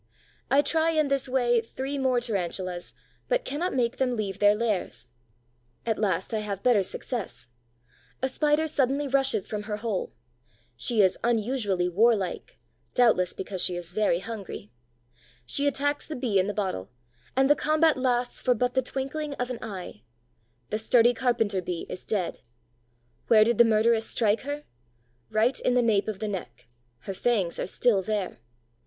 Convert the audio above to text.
I try in this way three more Tarantulas, but cannot make them leave their lairs. At last I have better success. A Spider suddenly rushes from her hole: she is unusually warlike, doubtless because she is very hungry. She attacks the Bee in the bottle, and the combat lasts for but the twinkling of an eye. The sturdy Carpenter bee is dead. Where did the murderess strike her? Right in the nape of the neck; her fangs are still there.